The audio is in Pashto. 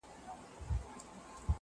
o انسان لا هم زده کوي,